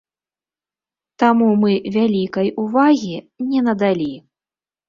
Таму мы вялікай увагі не надалі.